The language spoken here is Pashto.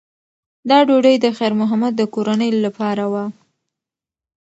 دا ډوډۍ د خیر محمد د کورنۍ لپاره وه.